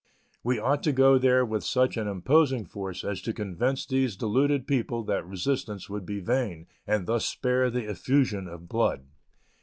We ought to go there with such an imposing force as to convince these deluded people that resistance would be vain, and thus spare the effusion of blood.